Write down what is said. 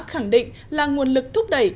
khẳng định là nguồn lực thúc đẩy